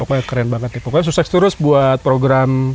pokoknya keren banget pokoknya sukses terus buat program program ini